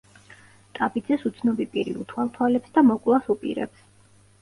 ტაბიძეს უცნობი პირი უთვალთვალებს და მოკვლას უპირებს.